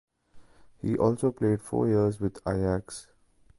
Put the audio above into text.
He also played four years with Ajax.